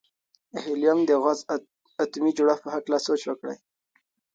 د هیلیم غاز د اتومي جوړښت په هکله سوچ وکړئ.